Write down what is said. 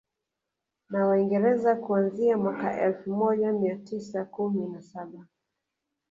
Na Waingereza kuanzia mwaka elfu moja mia tisa kumi na saba